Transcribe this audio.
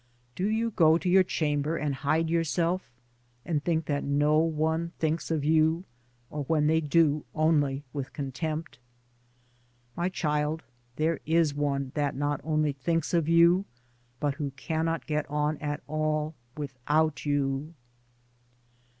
Do you go to your chamber and hide yourself and think that no one thinks of you, or when they do only with contempt ? My child, there is One that not only thinJa of you, but who cannot get on at all without you.